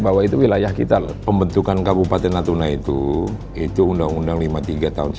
bahwa itu wilayah kita lho pembentukan kabupaten natuna itu itu undang undang lima puluh tiga tahun